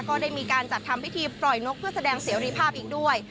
ก็ได้มีการจัดทำพิธีปล่อยนกเพื่อแสดงเสรีภาพอีกด้วย